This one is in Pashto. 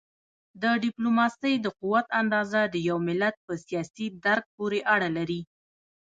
د ډیپلوماسی د قوت اندازه د یو ملت په سیاسي درک پورې اړه لري.